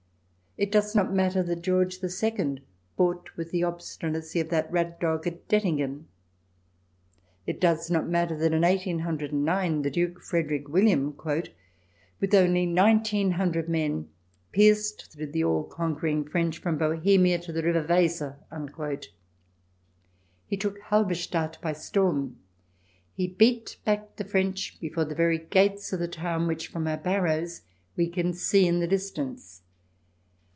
It does not matter that George II fought with the obstinacy of that rat dog at Dettingen. It does not matter that in 1809 the Duke Frederick William, " with only nineteen hundred men, pierced through the all conquering French from Bohemia to the River Weser." He took Halberstadt by storm ; he beat back the French before the gates of the town which from our barrows we can see in the distance.